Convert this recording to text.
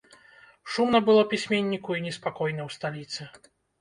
Шумна было пісьменніку і неспакойна ў сталіцы.